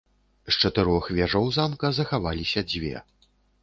З чатырох вежаў замка захаваліся дзве.